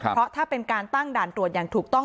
เพราะถ้าเป็นการตั้งด่านตรวจอย่างถูกต้อง